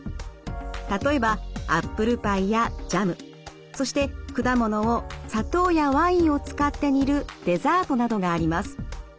例えばアップルパイやジャムそして果物を砂糖やワインを使って煮るデザートなどがあります。